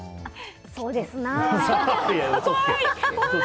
そうですな。